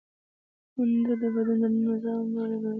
منډه د بدن دننه نظامونه برابروي